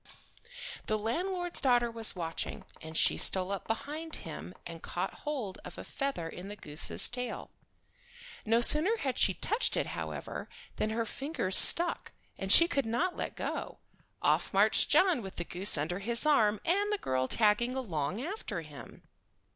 The landlord's daughter was watching, and she stole up behind him and caught hold of a feather in the goose's tail. No sooner had she touched it, however, than her fingers stuck, and she could not let go. Off marched John with the goose under his arm, and the girl tagging along after him.